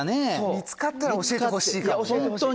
見つかったら教えてほしいかもね。教えてほしい。